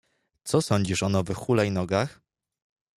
Co sądzisz o nowych hulajnogach?